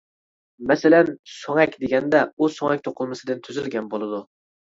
مەسىلەن، سۆڭەك دېگەندە ئۇ سۆڭەك توقۇلمىسىدىن تۈزۈلگەن بولىدۇ.